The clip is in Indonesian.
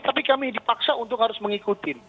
tapi kami dipaksa untuk harus mengikuti